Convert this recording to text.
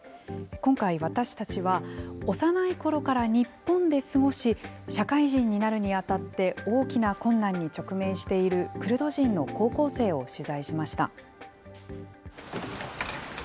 今回、私たちは、幼いころから日本で過ごし、社会人になるにあたって大きな困難に直面しているクルド人の高校生を取材しました。